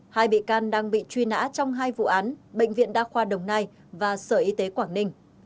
hai bị can đang bị truy nã trong hai vụ án bệnh viện đa khoa đồng nai và sở y tế quảng ninh